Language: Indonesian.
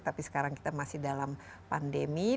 tapi sekarang kita masih dalam pandemi